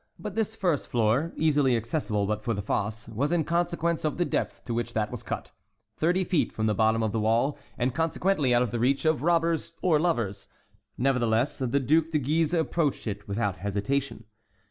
But this first floor, easily accessible but for the fosse, was, in consequence of the depth to which that was cut, thirty feet from the bottom of the wall, and consequently out of the reach of robbers or lovers; nevertheless the Duc de Guise approached it without hesitation.